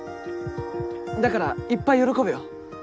だからいっぱい喜べよ。